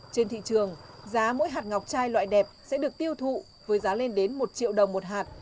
trên thị trường giá mỗi hạt ngọc chai loại đẹp sẽ được tiêu thụ với giá lên đến một triệu đồng một hạt